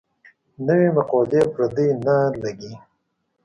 نوې مقولې پردۍ نه لګي.